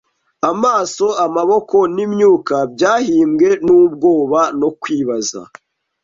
Amaso, amaboko, n'imyuka, byahimbwe n'ubwoba no kwibaza